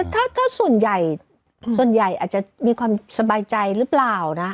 ถ้าส่วนใหญ่อาจจะมีความสบายใจหรือเปล่านะ